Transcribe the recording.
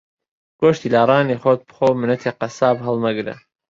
گۆشتی لاڕانی خۆت بخۆ مننەتی قەساب ھەڵمەگرە